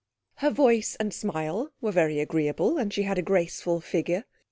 Her voice and smile were very agreeable, and she had a graceful figure.